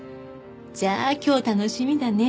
じゃあ今日楽しみだね。